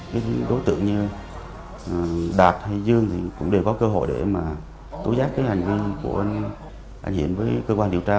cái đối tượng như đạt hay dương thì cũng đều có cơ hội để mà tố giác cái hành vi của anh diện với cơ quan điều tra